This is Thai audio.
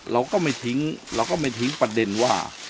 เราก็ไม่ทิ้งประเด็นว่า